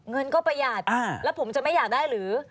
เงินก็ประหยัดแล้วผมจะไม่อยากได้หรือ